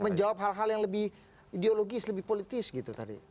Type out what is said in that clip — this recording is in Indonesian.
menjawab hal hal yang lebih ideologis lebih politis gitu tadi